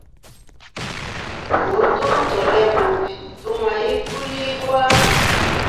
Utu tolea bubi, tumwa ikulibwa.